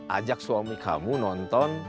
ajak suami kamu nonton